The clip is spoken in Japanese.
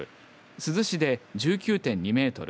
珠洲市で１９．２メートル